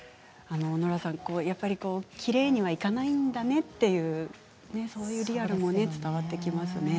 やっぱり、きれいにはいかないんだねというねそういうリアルも伝わってきますね。